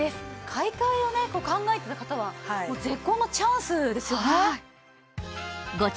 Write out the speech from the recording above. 買い替えをね考えてる方は絶好のチャンスですよね。